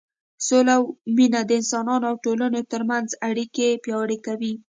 سوله او مینه د انسانانو او ټولنو تر منځ اړیکې پیاوړې کوي.